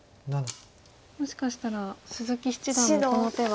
もしかしたら鈴木七段のこの手は。